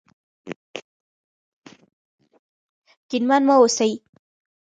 کینمن مه اوسئ.